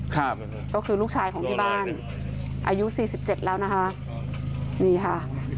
ครับก็คือลูกชายของที่บ้านอายุสี่สิบเจ็ดแล้วนะคะนี่ค่ะ